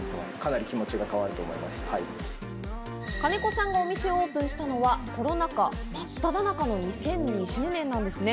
金子さんがお店をオープンしたのはコロナ禍まっただ中の２０２０年なんですね。